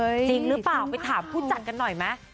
จริงหรือเปล่าไปถามผู้จัดกันหน่อยไหม